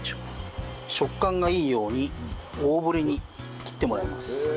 食感がいいように大ぶりに切ってもらいます。